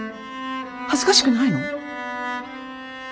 恥ずかしくないの？